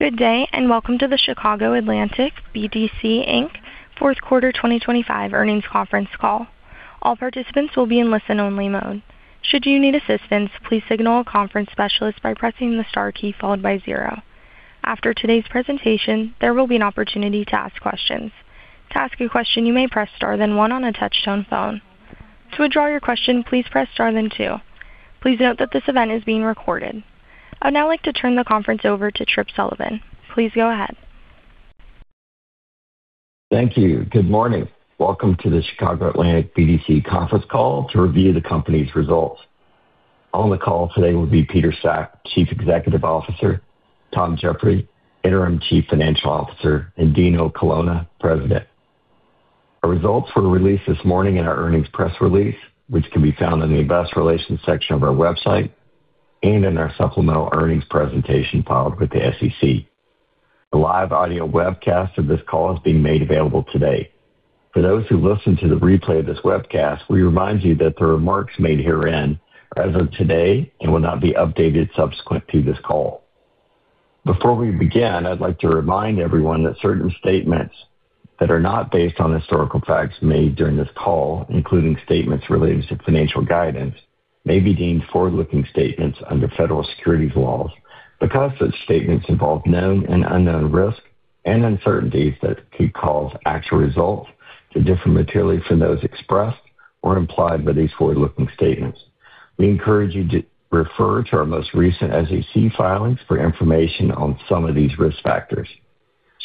Good day, and welcome to the Chicago Atlantic BDC, Inc. fourth quarter 2025 earnings conference call. All participants will be in listen-only mode. Should you need assistance, please signal a conference specialist by pressing the star key followed by zero. After today's presentation, there will be an opportunity to ask questions. To ask a question, you may press star then one on a touch-tone phone. To withdraw your question, please press star then two. Please note that this event is being recorded. I would now like to turn the conference over to Tripp Sullivan. Please go ahead. Thank you. Good morning. Welcome to the Chicago Atlantic BDC conference call to review the company's results. On the call today will be Peter Sack, Chief Executive Officer, Thomas Geoffroy, Interim Chief Financial Officer, and Dino Colonna, President. Our results were released this morning in our earnings press release, which can be found in the investor relations section of our website and in our supplemental earnings presentation filed with the SEC. The live audio webcast of this call is being made available today. For those who listen to the replay of this webcast, we remind you that the remarks made herein are as of today and will not be updated subsequent to this call. Before we begin, I'd like to remind everyone that certain statements that are not based on historical facts made during this call, including statements relating to financial guidance, may be deemed forward-looking statements under federal securities laws because such statements involve known and unknown risks and uncertainties that could cause actual results to differ materially from those expressed or implied by these forward-looking statements. We encourage you to refer to our most recent SEC filings for information on some of these risk factors.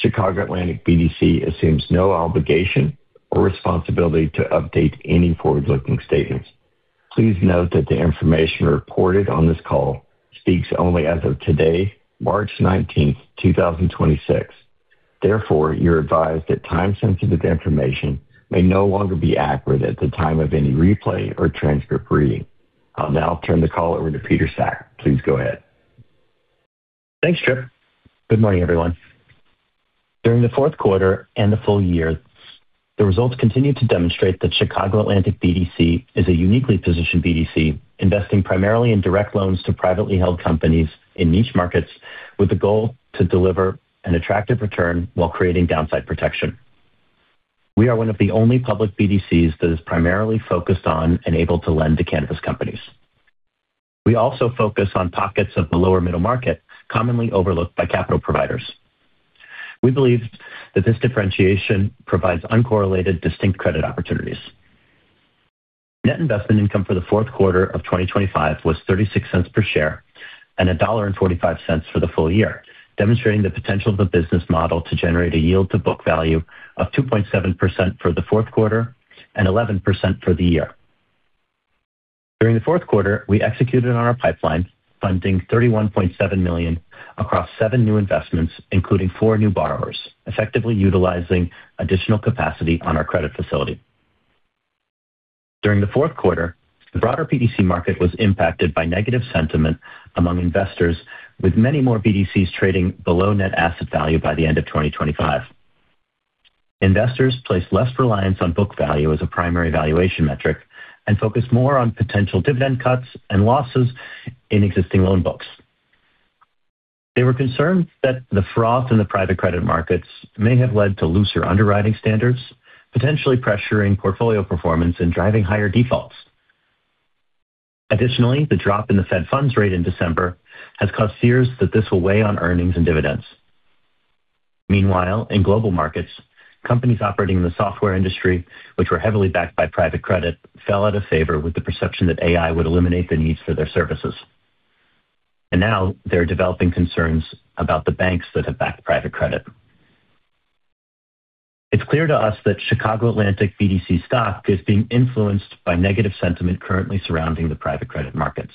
Chicago Atlantic BDC assumes no obligation or responsibility to update any forward-looking statements. Please note that the information reported on this call speaks only as of today, March 19th, 2026. Therefore, you're advised that time-sensitive information may no longer be accurate at the time of any replay or transcript reading. I'll now turn the call over to Peter Sack. Please go ahead. Thanks, Tripp. Good morning, everyone. During the fourth quarter and the full year, the results continue to demonstrate that Chicago Atlantic BDC is a uniquely positioned BDC, investing primarily in direct loans to privately held companies in niche markets with a goal to deliver an attractive return while creating downside protection. We are one of the only public BDCs that is primarily focused on and able to lend to cannabis companies. We also focus on pockets of the lower middle market commonly overlooked by capital providers. We believe that this differentiation provides uncorrelated distinct credit opportunities. Net investment income for the fourth quarter of 2025 was $0.36 per share and $1.45 for the full year, demonstrating the potential of the business model to generate a yield to book value of 2.7% for the fourth quarter and 11% for the year. During the fourth quarter, we executed on our pipeline, funding $31.7 million across seven new investments, including four new borrowers, effectively utilizing additional capacity on our credit facility. During the fourth quarter, the broader BDC market was impacted by negative sentiment among investors, with many more BDCs trading below net asset value by the end of 2025. Investors placed less reliance on book value as a primary valuation metric and focused more on potential dividend cuts and losses in existing loan books. They were concerned that the froth in the private credit markets may have led to looser underwriting standards, potentially pressuring portfolio performance and driving higher defaults. Additionally, the drop in the Fed funds rate in December has caused fears that this will weigh on earnings and dividends. Meanwhile, in global markets, companies operating in the software industry, which were heavily backed by private credit, fell out of favor with the perception that AI would eliminate the needs for their services. Now there are developing concerns about the banks that have backed private credit. It's clear to us that Chicago Atlantic BDC stock is being influenced by negative sentiment currently surrounding the private credit markets.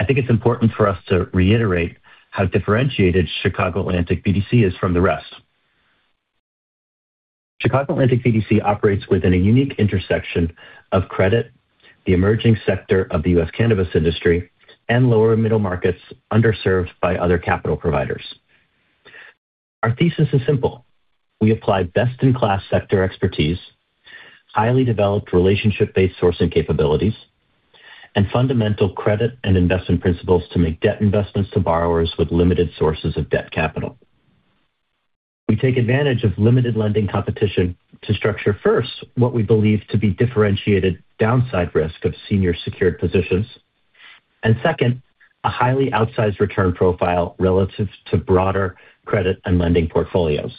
I think it's important for us to reiterate how differentiated Chicago Atlantic BDC is from the rest. Chicago Atlantic BDC operates within a unique intersection of credit, the emerging sector of the U.S. cannabis industry, and lower middle markets underserved by other capital providers. Our thesis is simple. We apply best-in-class sector expertise, highly developed relationship-based sourcing capabilities, and fundamental credit and investment principles to make debt investments to borrowers with limited sources of debt capital. We take advantage of limited lending competition to structure, first, what we believe to be differentiated downside risk of senior secured positions, and second, a highly outsized return profile relative to broader credit and lending portfolios.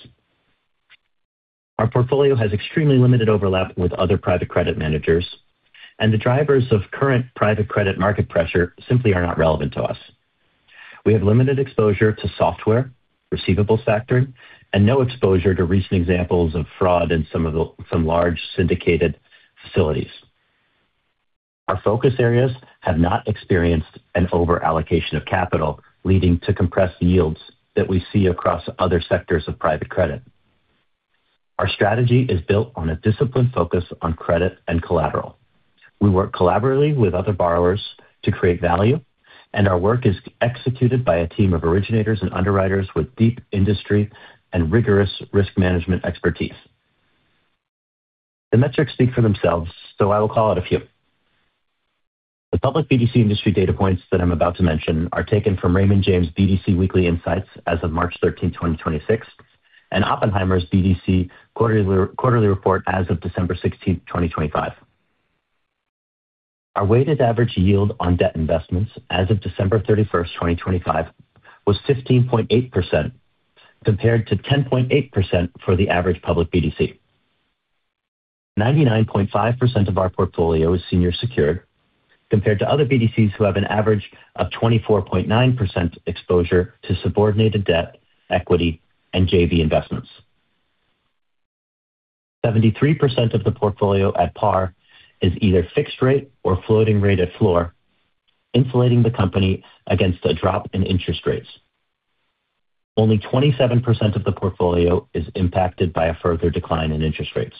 Our portfolio has extremely limited overlap with other private credit managers, and the drivers of current private credit market pressure simply are not relevant to us. We have limited exposure to software, receivables factoring, and no exposure to recent examples of fraud in some large syndicated facilities. Our focus areas have not experienced an over-allocation of capital, leading to compressed yields that we see across other sectors of private credit. Our strategy is built on a disciplined focus on credit and collateral. We work collaboratively with other borrowers to create value, and our work is executed by a team of originators and underwriters with deep industry and rigorous risk management expertise. The metrics speak for themselves, so I will call out a few. The public BDC industry data points that I'm about to mention are taken from Raymond James BDC Weekly Insights as of March 13th, 2026, and Oppenheimer's BDC Quarterly Report as of December 16th, 2025. Our weighted average yield on debt investments as of December 31st, 2025 was 15.8% compared to 10.8% for the average public BDC. 99.5% of our portfolio is senior secured compared to other BDCs who have an average of 24.9% exposure to subordinated debt, equity, and JV investments. 73% of the portfolio at par is either fixed rate or floating rate at floor, insulating the company against a drop in interest rates. Only 27% of the portfolio is impacted by a further decline in interest rates.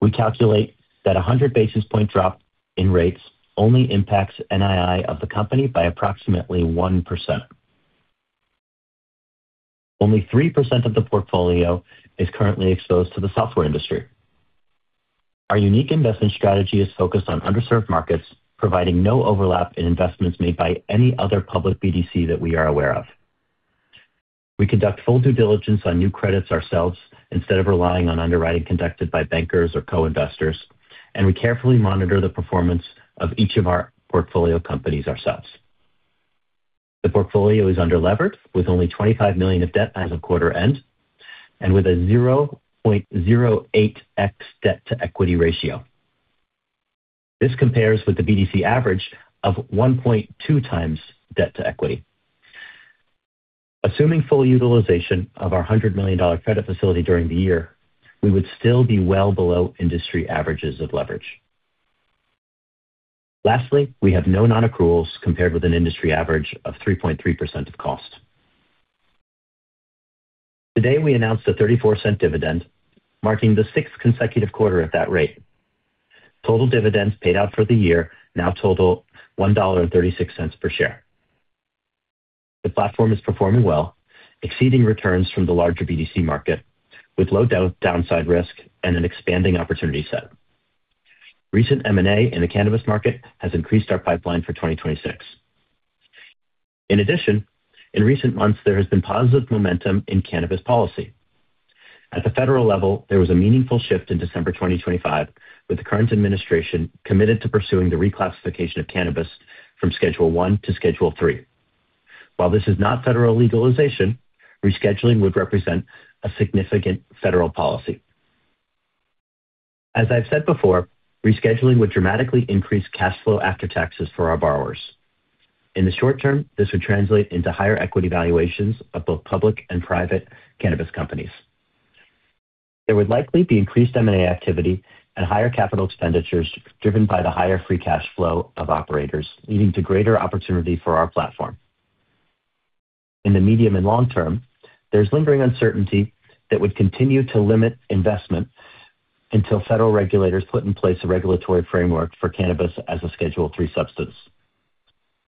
We calculate that a 100 basis point drop in rates only impacts NII of the company by approximately 1%. Only 3% of the portfolio is currently exposed to the software industry. Our unique investment strategy is focused on underserved markets, providing no overlap in investments made by any other public BDC that we are aware of. We conduct full due diligence on new credits ourselves instead of relying on underwriting conducted by bankers or co-investors, and we carefully monitor the performance of each of our portfolio companies ourselves. The portfolio is underlevered with only $25 million of debt as of quarter-end and with a 0.08x debt-to-equity ratio. This compares with the BDC average of 1.2x debt-to-equity. Assuming full utilization of our $100 million credit facility during the year, we would still be well below industry averages of leverage. We have no non-accruals compared with an industry average of 3.3% of cost. Today, we announced a $0.34 dividend, marking the sixth consecutive quarter at that rate. Total dividends paid out for the year now total $1.36 per share. The platform is performing well, exceeding returns from the larger BDC market with low downside risk and an expanding opportunity set. Recent M&A in the cannabis market has increased our pipeline for 2026. In addition, in recent months, there has been positive momentum in cannabis policy. At the federal level, there was a meaningful shift in December 2025, with the current administration committed to pursuing the reclassification of cannabis from Schedule I to Schedule III. While this is not federal legalization, rescheduling would represent a significant federal policy. As I've said before, rescheduling would dramatically increase cash flow after taxes for our borrowers. In the short term, this would translate into higher equity valuations of both public and private cannabis companies. There would likely be increased M&A activity and higher capital expenditures driven by the higher free cash flow of operators, leading to greater opportunity for our platform. In the medium and long term, there's lingering uncertainty that would continue to limit investment until federal regulators put in place a regulatory framework for cannabis as a Schedule III substance.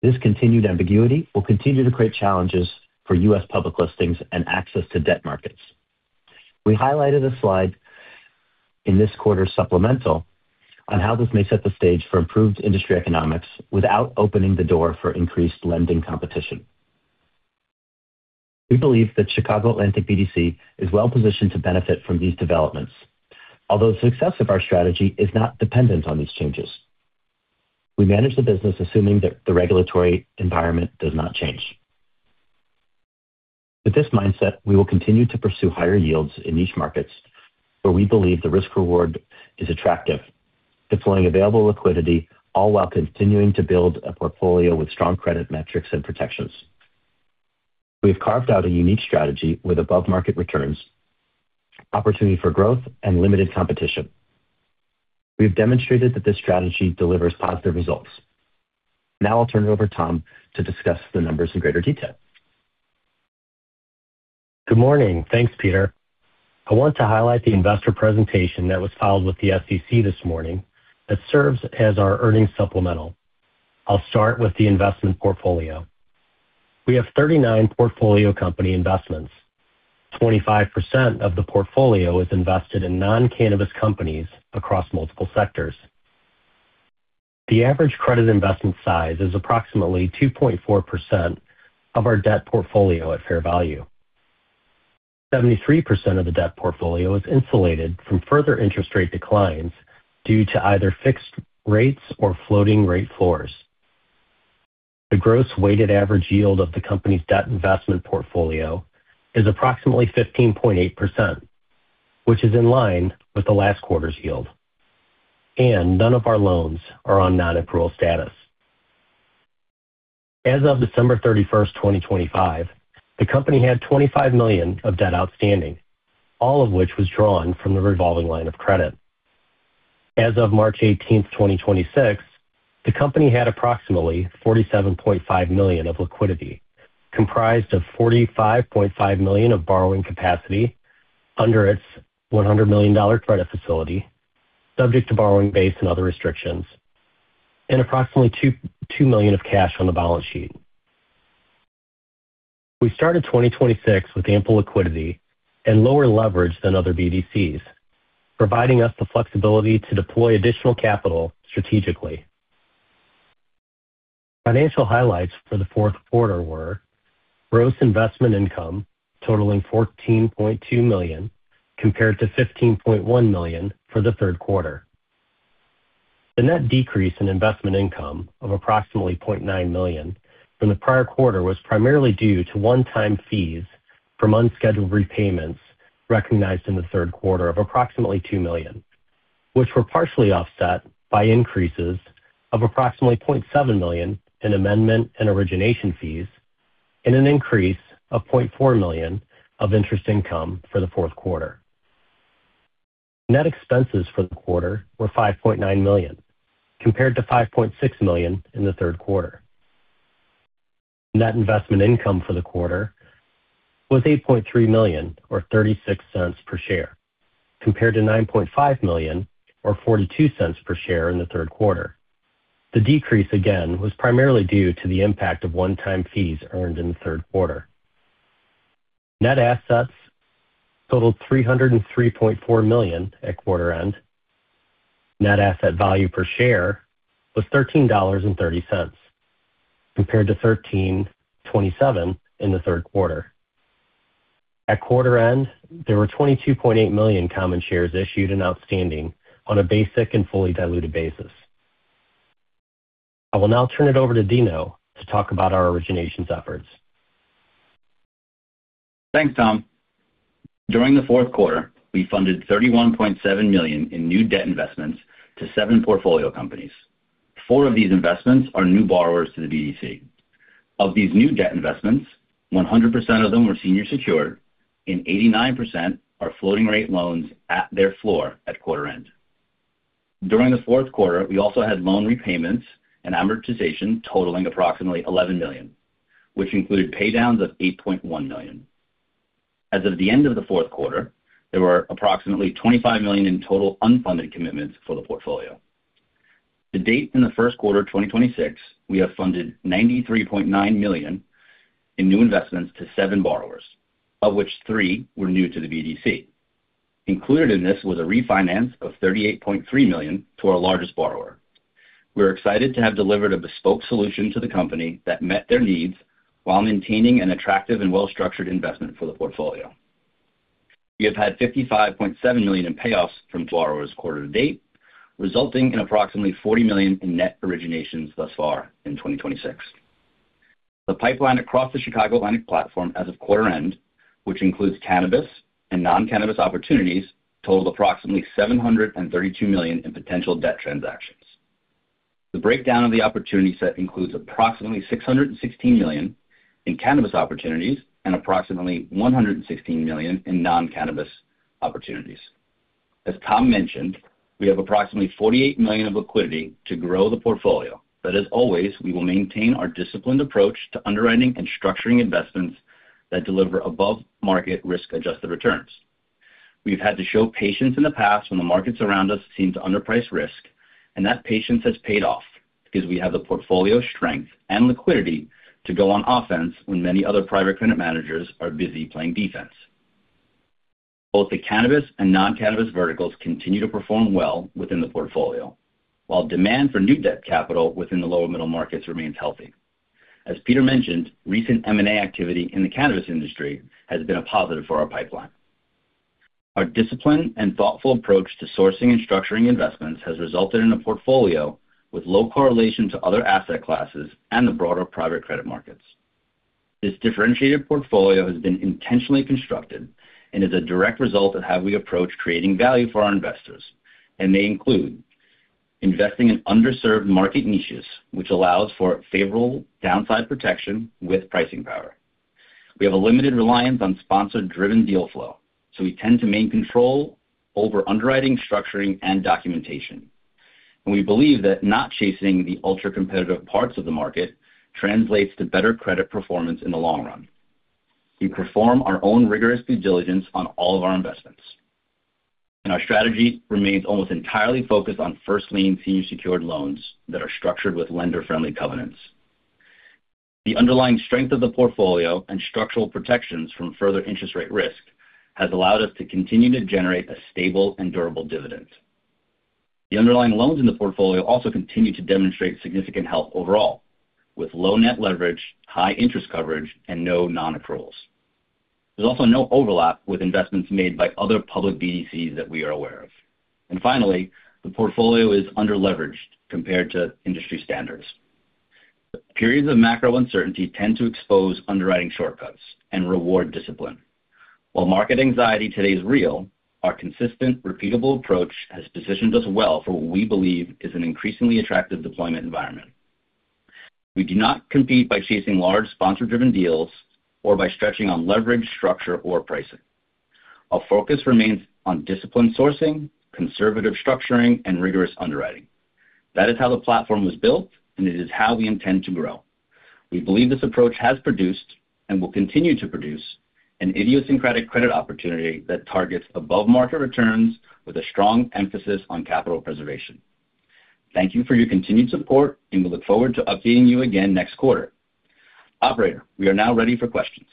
This continued ambiguity will continue to create challenges for U.S. public listings and access to debt markets. We highlighted a slide in this quarter's supplemental on how this may set the stage for improved industry economics without opening the door for increased lending competition. We believe that Chicago Atlantic BDC is well-positioned to benefit from these developments. Although the success of our strategy is not dependent on these changes, we manage the business assuming that the regulatory environment does not change. With this mindset, we will continue to pursue higher yields in niche markets where we believe the risk-reward is attractive, deploying available liquidity all while continuing to build a portfolio with strong credit metrics and protections. We've carved out a unique strategy with above-market returns, opportunity for growth, and limited competition. We've demonstrated that this strategy delivers positive results. Now I'll turn it over to Tom to discuss the numbers in greater detail. Good morning. Thanks, Peter. I want to highlight the investor presentation that was filed with the SEC this morning that serves as our earnings supplemental. I'll start with the investment portfolio. We have 39 portfolio company investments. 25% of the portfolio is invested in non-cannabis companies across multiple sectors. The average credit investment size is approximately 2.4% of our debt portfolio at fair value. 73% of the debt portfolio is insulated from further interest rate declines due to either fixed rates or floating rate floors. The gross weighted average yield of the company's debt investment portfolio is approximately 15.8%, which is in line with the last quarter's yield, and none of our loans are on non-accrual status. As of December 31st, 2025, the company had $25 million of debt outstanding, all of which was drawn from the revolving line of credit. As of March 18th, 2026, the company had approximately $47.5 million of liquidity, comprised of $45.5 million of borrowing capacity under its $100 million credit facility, subject to borrowing base and other restrictions, and approximately $2 million of cash on the balance sheet. We started 2026 with ample liquidity and lower leverage than other BDCs, providing us the flexibility to deploy additional capital strategically. Financial highlights for the fourth quarter were gross investment income totaling $14.2 million, compared to $15.1 million for the third quarter. The net decrease in investment income of approximately $0.9 million from the prior quarter was primarily due to one-time fees from unscheduled repayments recognized in the third quarter of approximately $2 million, which were partially offset by increases of approximately $0.7 million in amendment and origination fees and an increase of $0.4 million of interest income for the fourth quarter. Net expenses for the quarter were $5.9 million, compared to $5.6 million in the third quarter. Net investment income for the quarter was $8.3 million or $0.36 per share, compared to $9.5 million or $0.42 per share in the third quarter. The decrease again was primarily due to the impact of one-time fees earned in the third quarter. Net assets totaled $303.4 million at quarter end. Net asset value per share was $13.30, compared to $13.27 in the third quarter. At quarter end, there were 22.8 million common shares issued and outstanding on a basic and fully diluted basis. I will now turn it over to Dino to talk about our originations efforts. Thanks, Tom. During the fourth quarter, we funded $31.7 million in new debt investments to seven portfolio companies. Four of these investments are new borrowers to the BDC. Of these new debt investments, 100% of them were senior secured and 89% are floating rate loans at their floor at quarter end. During the fourth quarter, we also had loan repayments and amortization totaling approximately $11 million, which included pay downs of $8.1 million. As of the end of the fourth quarter, there were approximately $25 million in total unfunded commitments for the portfolio. To date in the first quarter of 2026, we have funded $93.9 million in new investments to seven borrowers, of which three were new to the BDC. Included in this was a refinance of $38.3 million to our largest borrower. We're excited to have delivered a bespoke solution to the company that met their needs while maintaining an attractive and well-structured investment for the portfolio. We have had $55.7 million in payoffs from borrowers quarter to date, resulting in approximately $40 million in net originations thus far in 2026. The pipeline across the Chicago Atlantic platform as of quarter end, which includes cannabis and non-cannabis opportunities, totaled approximately $732 million in potential debt transactions. The breakdown of the opportunity set includes approximately $616 million in cannabis opportunities and approximately $116 million in non-cannabis opportunities. As Tom mentioned, we have approximately $48 million of liquidity to grow the portfolio. As always, we will maintain our disciplined approach to underwriting and structuring investments that deliver above-market risk-adjusted returns. We've had to show patience in the past when the markets around us seem to underprice risk, and that patience has paid off because we have the portfolio strength and liquidity to go on offense when many other private credit managers are busy playing defense. Both the cannabis and non-cannabis verticals continue to perform well within the portfolio, while demand for new debt capital within the lower middle markets remains healthy. As Peter mentioned, recent M&A activity in the cannabis industry has been a positive for our pipeline. Our discipline and thoughtful approach to sourcing and structuring investments has resulted in a portfolio with low correlation to other asset classes and the broader private credit markets. This differentiated portfolio has been intentionally constructed and is a direct result of how we approach creating value for our investors, and they include investing in underserved market niches, which allows for favorable downside protection with pricing power. We have a limited reliance on sponsor-driven deal flow, so we tend to maintain control over underwriting, structuring, and documentation. We believe that not chasing the ultra-competitive parts of the market translates to better credit performance in the long run. We perform our own rigorous due diligence on all of our investments. Our strategy remains almost entirely focused on first lien senior secured loans that are structured with lender-friendly covenants. The underlying strength of the portfolio and structural protections from further interest rate risk has allowed us to continue to generate a stable and durable dividend. The underlying loans in the portfolio also continue to demonstrate significant health overall, with low net leverage, high interest coverage, and no non-accruals. There's also no overlap with investments made by other public BDCs that we are aware of. Finally, the portfolio is under-leveraged compared to industry standards. Periods of macro uncertainty tend to expose underwriting shortcuts and reward discipline. While market anxiety today is real, our consistent, repeatable approach has positioned us well for what we believe is an increasingly attractive deployment environment. We do not compete by chasing large sponsor-driven deals or by stretching on leverage, structure, or pricing. Our focus remains on disciplined sourcing, conservative structuring, and rigorous underwriting. That is how the platform was built, and it is how we intend to grow. We believe this approach has produced and will continue to produce an idiosyncratic credit opportunity that targets above-market returns with a strong emphasis on capital preservation. Thank you for your continued support, and we look forward to updating you again next quarter. Operator, we are now ready for questions.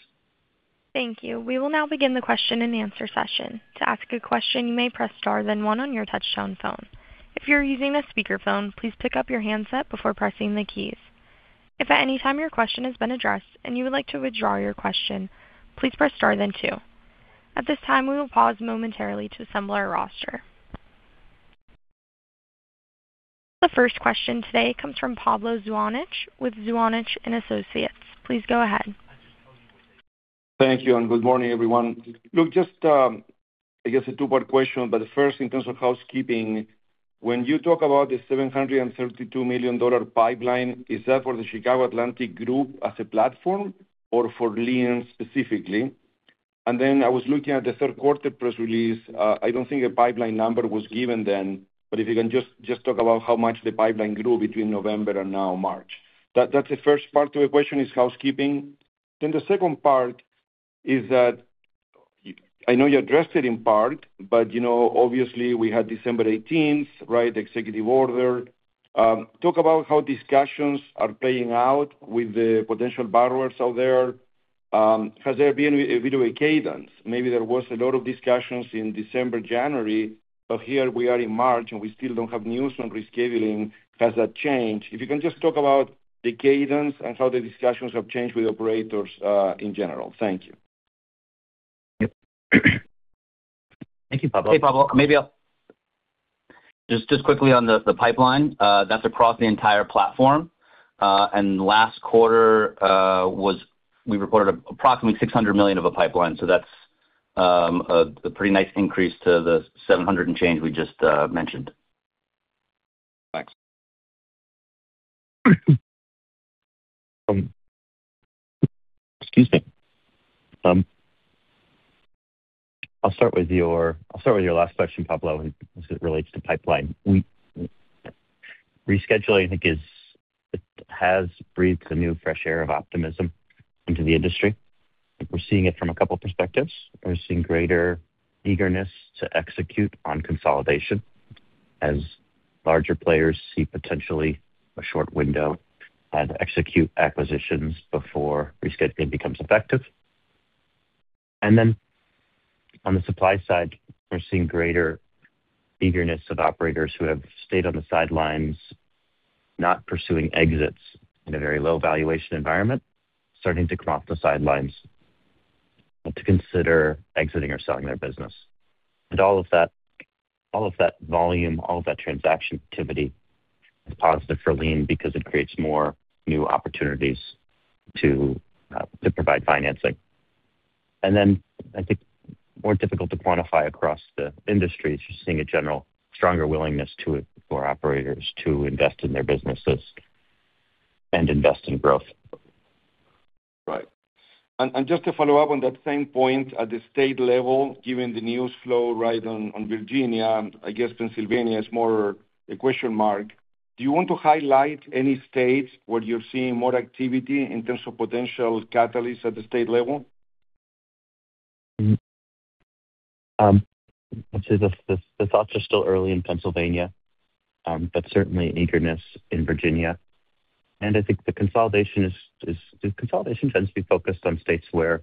Thank you. We will now begin the question-and-answer session. To ask a question, you may press star then one on your touchtone phone. If you're using a speakerphone, please pick up your handset before pressing the keys. If at any time your question has been addressed and you would like to withdraw your question, please press star then two. At this time, we will pause momentarily to assemble our roster. The first question today comes from Pablo Zuanic with Zuanic & Associates. Please go ahead. Thank you, and good morning, everyone. Look, just, I guess a two-part question, but first in terms of housekeeping. When you talk about the $732 million pipeline, is that for the Chicago Atlantic Group as a platform or for LIEN specifically? And then I was looking at the third quarter press release. I don't think a pipeline number was given then, but if you can just talk about how much the pipeline grew between November and now March. That's the first part to the question is housekeeping. Then the second part is that I know you addressed it in part, but, you know, obviously, we had December 18th, right? Executive order. Talk about how discussions are playing out with the potential borrowers out there. Has there been a bit of a cadence? Maybe there was a lot of discussions in December, January, but here we are in March, and we still don't have news on rescheduling. Has that changed? If you can just talk about the cadence and how the discussions have changed with operators, in general. Thank you. Thank you. Pablo. Hey, Pablo. Maybe I'll just quickly on the pipeline that's across the entire platform. Last quarter, what we reported approximately $600 million of a pipeline. That's a pretty nice increase to the $700 million change we just mentioned. Thanks. I'll start with your last question, Pablo, as it relates to pipeline. Rescheduling, I think, has breathed a breath of fresh air into the industry. We're seeing it from a couple of perspectives. We're seeing greater eagerness to execute on consolidation as larger players see potentially a short window and execute acquisitions before rescheduling becomes effective. On the supply side, we're seeing greater eagerness of operators who have stayed on the sidelines, not pursuing exits in a very low valuation environment, starting to come off the sidelines to consider exiting or selling their business. All of that volume, all of that transaction activity is positive for LIEN because it creates more new opportunities to provide financing. I think more difficult to quantify across the industry is just seeing a general stronger willingness for operators to invest in their businesses and invest in growth. Right. Just to follow up on that same point, at the state level, given the news flow right now on Virginia, I guess Pennsylvania is more a question mark. Do you want to highlight any states where you're seeing more activity in terms of potential catalysts at the state level? I'd say the thoughts are still early in Pennsylvania, but certainly eagerness in Virginia. I think the consolidation tends to be focused on states where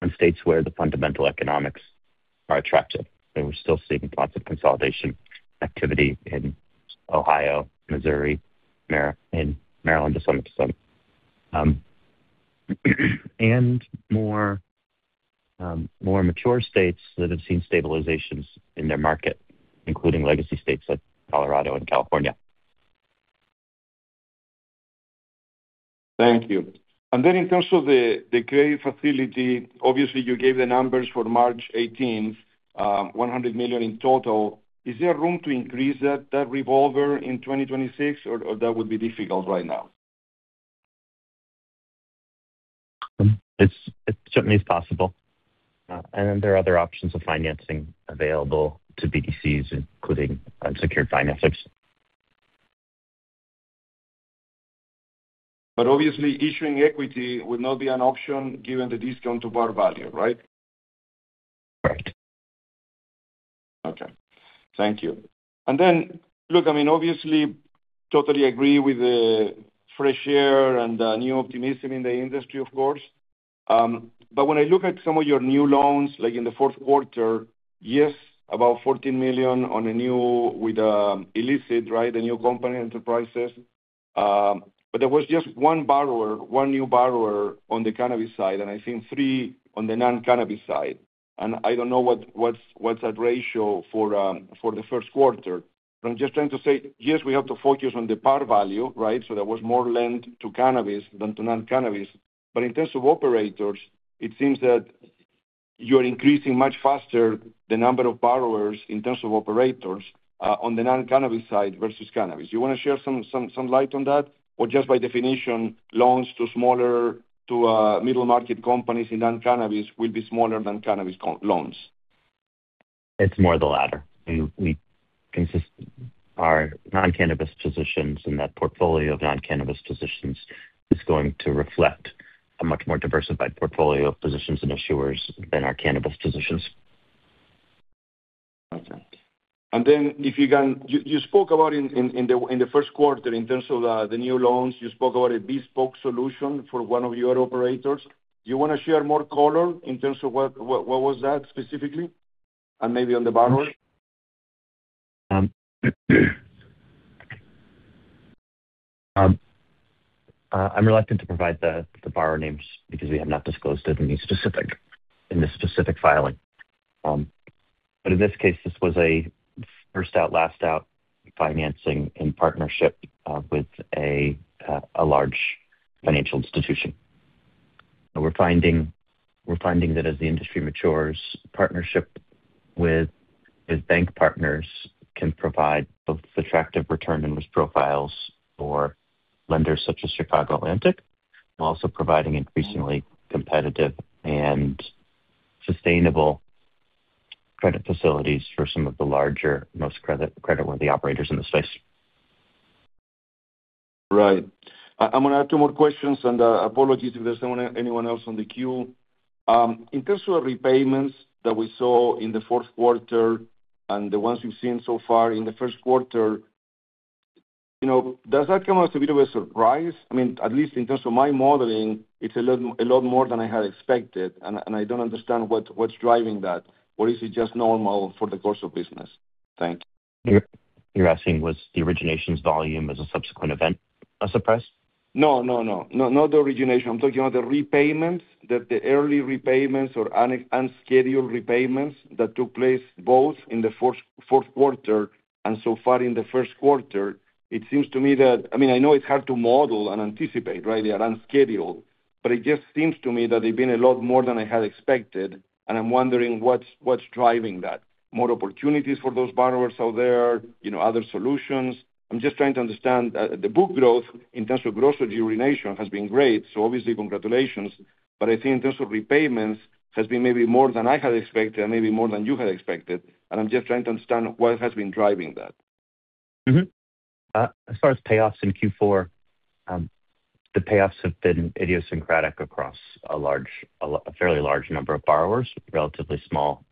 the fundamental economics are attractive. We're still seeing lots of consolidation activity in Ohio, Missouri, in Maryland to some extent. More mature states that have seen stabilizations in their market, including legacy states like Colorado and California. Thank you. In terms of the credit facility, obviously, you gave the numbers for March 18th, $100 million in total. Is there room to increase that revolver in 2026, or that would be difficult right now? It certainly is possible. There are other options of financing available to BDCs, including unsecured financings. Obviously issuing equity would not be an option given the discount to par value, right? Correct. Okay. Thank you. Look, I mean, obviously, totally agree with the fresh air and the new optimism in the industry, of course. But when I look at some of your new loans, like in the fourth quarter, yes, about $14 million on a new with illicit, right? The new company enterprises. But there was just one new borrower on the cannabis side, and I think three on the non-cannabis side. I don't know what's that ratio for the first quarter. I'm just trying to say, yes, we have to focus on the par value, right? There was more lent to cannabis than to non-cannabis. In terms of operators, it seems that you're increasing much faster the number of borrowers in terms of operators on the non-cannabis side versus cannabis. You want to share some light on that? Or just by definition, loans to smaller to middle market companies in non-cannabis will be smaller than cannabis loans. It's more the latter. We consistently. Our non-cannabis positions and that portfolio of non-cannabis positions is going to reflect a much more diversified portfolio of positions and issuers than our cannabis positions. Okay. If you can, you spoke about in the first quarter in terms of the new loans. You spoke about a bespoke solution for one of your operators. Do you wanna share more color in terms of what was that specifically? Maybe on the borrowing? I'm reluctant to provide the borrower names because we have not disclosed it in this specific filing. In this case, this was a first out, last out financing in partnership with a large financial institution. We're finding that as the industry matures, partnership with bank partners can provide both attractive return and risk profiles for lenders such as Chicago Atlantic, while also providing increasingly competitive and sustainable credit facilities for some of the larger, most creditworthy operators in the space. Right. I'm gonna add two more questions, and apologies if there's anyone else on the queue. In terms of repayments that we saw in the fourth quarter and the ones you've seen so far in the first quarter, you know, does that come as a bit of a surprise? I mean, at least in terms of my modeling, it's a lot more than I had expected, and I don't understand what's driving that, or is it just normal course of business? Thank you. You're asking was the originations volume as a subsequent event a surprise? No, no. Not the origination. I'm talking about the repayments. The early repayments or unscheduled repayments that took place both in the fourth quarter and so far in the first quarter. It seems to me that I mean, I know it's hard to model and anticipate, right? They are unscheduled. But it just seems to me that they've been a lot more than I had expected, and I'm wondering what's driving that. More opportunities for those borrowers out there, you know, other solutions? I'm just trying to understand the book growth in terms of gross origination has been great, so obviously congratulations, but I think in terms of repayments has been maybe more than I had expected and maybe more than you had expected, and I'm just trying to understand what has been driving that. As far as payoffs in Q4, the payoffs have been idiosyncratic across a fairly large number of borrowers. Relatively small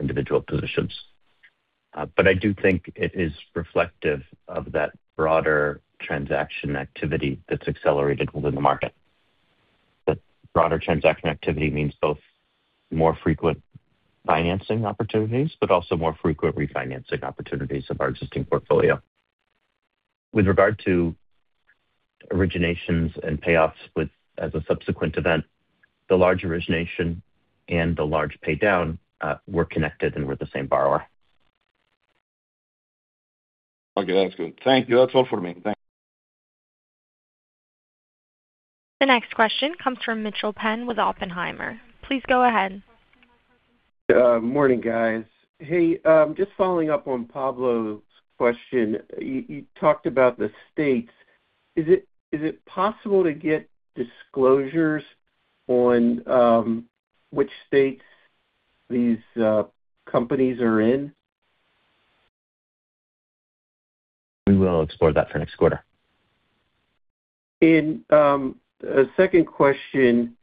individual positions. But I do think it is reflective of that broader transaction activity that's accelerated within the market. The broader transaction activity means both more frequent financing opportunities, but also more frequent refinancing opportunities of our existing portfolio. With regard to originations and payoffs, as a subsequent event, the large origination and the large paydown were connected and were the same borrower. Okay, that's good. Thank you. That's all for me. Thanks. The next question comes from Mitchel Penn with Oppenheimer. Please go ahead. Morning, guys. Hey, just following up on Pablo's question. You talked about the states. Is it possible to get disclosures on which states these companies are in? We will explore that for next quarter. A second question.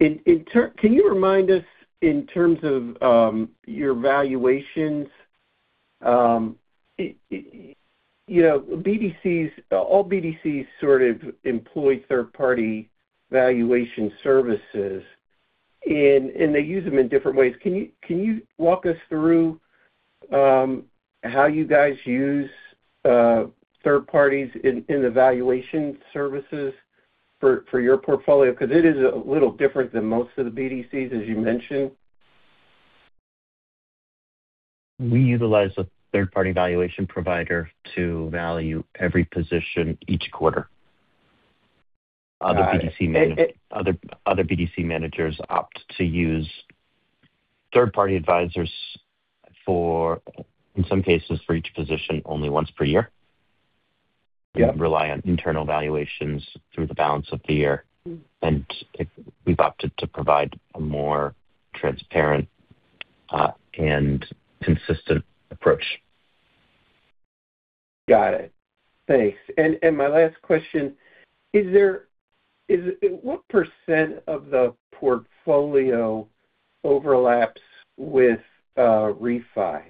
Can you remind us in terms of your valuations, you know, BDCs, all BDCs sort of employ third-party valuation services and they use them in different ways. Can you walk us through how you guys use third parties in the valuation services for your portfolio? 'Cause it is a little different than most of the BDCs, as you mentioned. We utilize a third-party valuation provider to value every position each quarter. Got it. Other BDC managers opt to use third-party advisors for, in some cases, for each position only once per year. Yeah. Rely on internal valuations through the balance of the year. We've opted to provide a more transparent, and consistent approach. Got it. Thanks. My last question. What percent of the portfolio overlaps with REFI?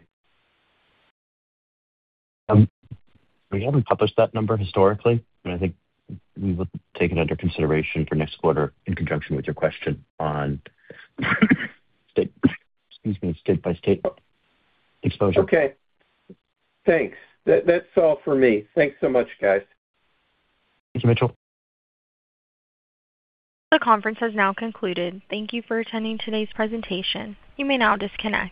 We haven't published that number historically, and I think we will take it under consideration for next quarter in conjunction with your question on state-by-state exposure. Okay. Thanks. That's all for me. Thanks so much, guys. Thank you, Mitchel. The conference has now concluded. Thank you for attending today's presentation. You may now disconnect.